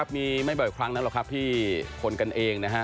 มีไม่บ่อยครั้งนั้นหรอกครับที่คนกันเองนะฮะ